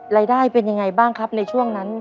รายได้เป็นยังไงบ้างครับในช่วงนั้น